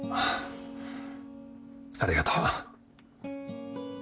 ありがとう。